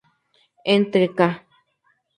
Entre ca.